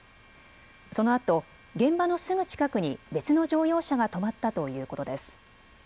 そのあと現場のすぐ近くに別の乗用車が止まったということです。